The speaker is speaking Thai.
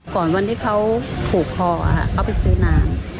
ก่อนวันที่เขาผูกคอเขาไปซื้อน้ำ